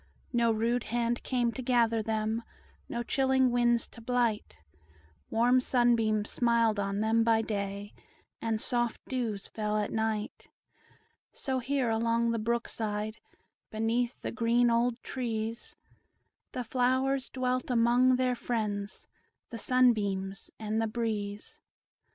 No rude hand came to gather them, No chilling winds to blight; Warm sunbeams smiled on them by day, And soft dews fell at night. So here, along the brook side, Beneath the green old trees, The flowers dwelt among their friends, The sunbeams and the breeze.